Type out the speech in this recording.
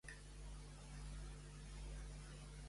Els sobrants, jugadors per confeccionar un bloc de futur.